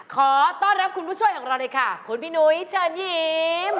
ขอต้อนรับคุณผู้ช่วยของเราเลยค่ะคุณพี่หนุ้ยเชิญยิ้ม